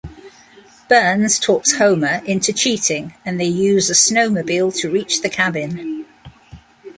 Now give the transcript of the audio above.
Burns talks Homer into cheating and they use a snowmobile to reach the cabin.